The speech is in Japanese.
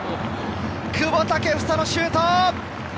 久保建英のシュート！